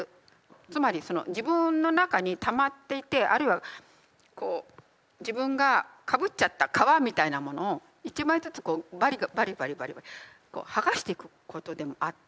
つまりその自分の中にたまっていてあるいはこう自分がかぶっちゃった皮みたいなものを１枚ずつバリバリバリバリ剥がしていくことでもあって。